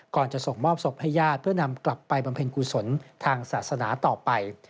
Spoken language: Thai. จะส่งมอบศพให้ญาติเพื่อนำกลับไปบำเพ็ญกุศลทางศาสนาต่อไป